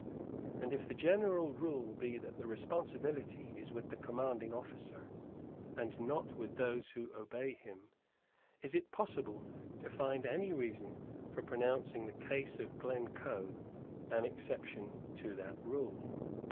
And if the general rule be that the responsibility is with the commanding officer, and not with those who obey him, is it possible to find any reason for pronouncing the case of Glencoe an exception to that rule?